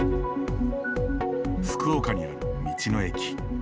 福岡にある道の駅。